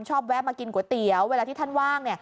แวะมากินก๋วยเตี๋ยวเวลาที่ท่านว่าง